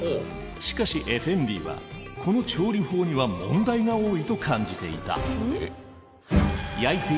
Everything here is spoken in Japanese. しかしエフェンディはこの調理法には問題が多いと感じていた。